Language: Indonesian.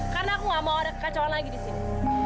karena aku gak mau ada kekacauan lagi di sini